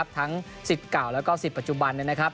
ทั้งสิทธิ์เก่าแล้วก็สิทธิ์ปัจจุบัน